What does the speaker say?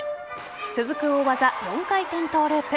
続く大技・４回転トゥループ。